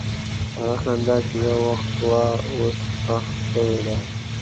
هغه خندا چې یو وخت وه، اوس ښخ شوې ده.